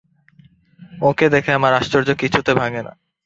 ওঁকে দেখে আমার আশ্চর্য কিছুতে ভাঙে না।